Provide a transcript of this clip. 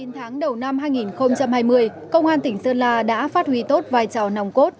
chín tháng đầu năm hai nghìn hai mươi công an tỉnh sơn la đã phát huy tốt vai trò nòng cốt